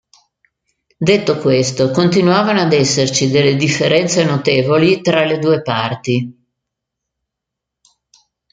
Detto questo, continuavano ad esserci delle differenze notevoli tra le due parti.